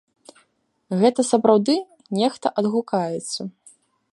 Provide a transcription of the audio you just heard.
Гэта сапраўды нехта адгукаецца.